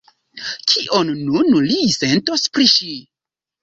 Kion nun li sentos pri ŝi?